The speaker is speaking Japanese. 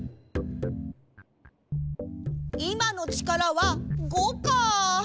いまの力は５か。